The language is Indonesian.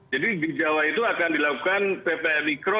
jadi di jawa itu akan dilakukan ppl mikro